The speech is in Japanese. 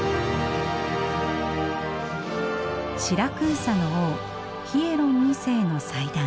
シラクーサの王ヒエロン二世の祭壇。